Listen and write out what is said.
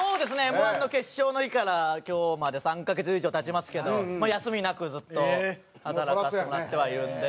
Ｍ−１の決勝の日から今日まで３カ月以上経ちますけど休みなくずっと働かせてもらってはいるので。